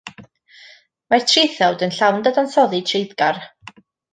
Mae'r traethawd yn llawn dadansoddi treiddgar.